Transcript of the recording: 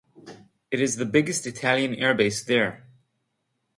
It is the biggest Italian air base there.